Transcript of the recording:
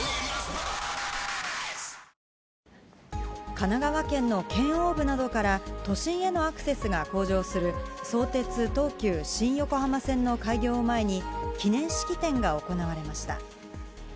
神奈川県の県央部などから、都心へのアクセスが向上する相鉄・東急新横浜線の開業を前に、記念式典が行われました。